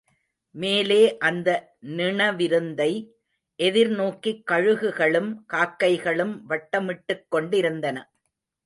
மேலே அந்த நிணவிருந்தை எதிர்நோக்கிக் கழுகுகளும் காக்கைகளும் வட்ட மிட்டுக் கொண்டிருந்தன.